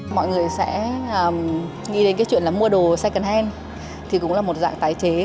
mọi người sẽ nghĩ đến cái chuyện là mua đồ second hand thì cũng là một dạng tái chế